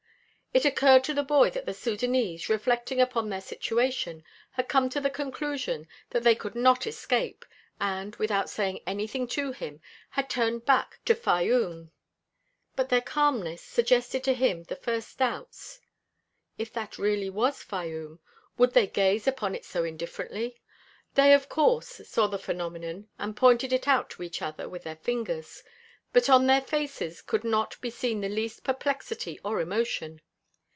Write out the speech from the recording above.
It occurred to the boy that the Sudânese, reflecting upon their situation, had come to the conclusion that they could not escape and, without saying anything to him, had turned back to Fayûm. But their calmness suggested to him the first doubts. If that really was Fayûm, would they gaze upon it so indifferently? They, of course, saw the phenomenon and pointed it out to each other with their fingers, but on their faces could not be seen the least perplexity or emotion.